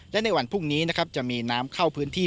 และในวันพรุ่งนี้นะครับจะมีน้ำเข้าพื้นที่